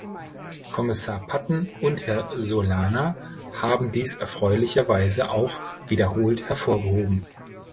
Kommissar Patten und Herr Solana haben dies erfreulicherweise auch wiederholt hervorgehoben.